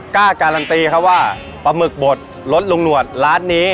กล้าการันตีคะว่าปลาหมึกบทรสลุงหนวดร้านนี้